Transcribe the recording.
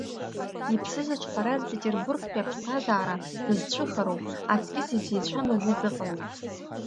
Иԥсы зыҿҳәараз Петербургтәи аԥсҭазаара дызцәыхароу, аҵкьыс изеицәан уажәы изыҟалаз.